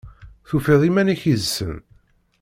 Tufiḍ iman-ik yid-sen?